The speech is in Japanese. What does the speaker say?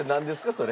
それ。